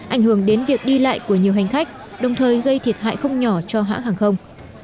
ảnh hưởng đến việc đi lại của nhiều hành khách đồng thời gây thiệt hại không nhỏ cho hãng hàng không